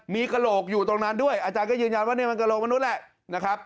มีกระโหลกอยู่ตรงนั้นด้วยอาจารย์ก็ยืนยันว่านี่มันกระโลกมนุษย์แหละนะครับ